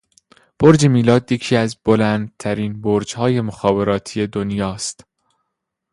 برج میلاد یکی از بلندترین برجهای مخابراتی دنیاست